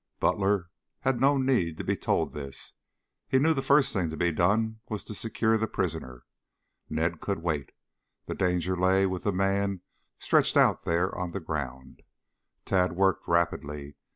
Butler had no need to be told this. He knew the first thing to be done was to secure the prisoner. Ned could wait. The danger lay with the man stretched out there on the ground. Tad worked rapidly.